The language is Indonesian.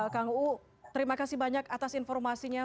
kang uu terima kasih banyak atas informasinya